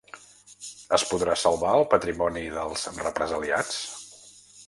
Es podrà salvar el patrimoni dels represaliats?